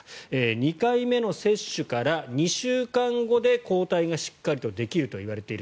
２回目の接種から２週間後で抗体がしっかりとできるといわれている。